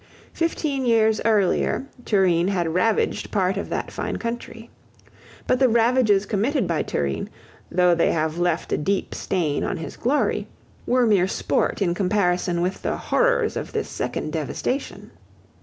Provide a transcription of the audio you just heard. Fifteen years earlier Turenne had ravaged part of that fine country. But the ravages committed by Turenne, though they have left a deep stain on his glory, were mere sport in comparison with the horrors of this second devastation.